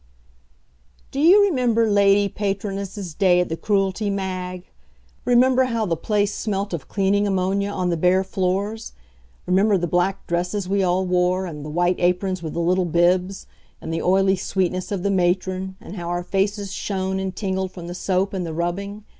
V. Do you remember Lady Patronesses' Day at the Cruelty, Mag? Remember how the place smelt of cleaning ammonia on the bare floors? Remember the black dresses we all wore, and the white aprons with the little bibs, and the oily sweetness of the matron, and how our faces shone and tingled from the soap and the rubbing?